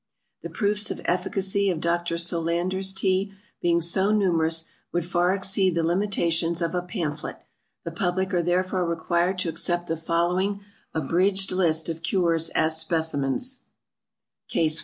The Proofs of Efficacy of Dr. SOLANDER'S TEA, being so numerous, would far exceed the limitation of a Pamphlet; the Public are therefore required to accept the following abridged List of Cures as Specimens: CASE I.